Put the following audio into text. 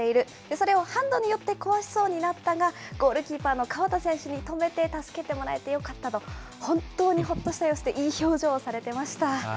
それをハンドによって壊しそうになったが、ゴールキーパーの河田選手に止めて助けてもらえてよかったと、本当にほっとした様子で、いい表情をされてました。